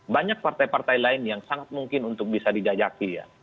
banyak partai partai lain yang sangat mungkin untuk bisa dijajaki ya